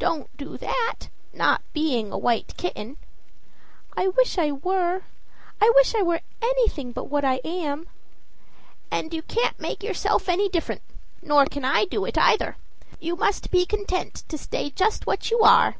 "Don't do that, not being a white kitten." "I wish I were I wish I were anything but what I am." "And you can't make yourself any different, nor can I do it either. You must be content to stay just what you are."